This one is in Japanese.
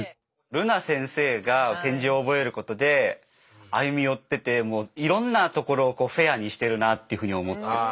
るな先生が点字を覚えることで歩み寄っててもういろんなところをフェアにしてるなっていうふうに思って。